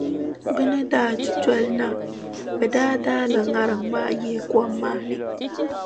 Bɛ ni daa du duli na, bɛ daa daala ŋariŋ maa yihi kom maa ni.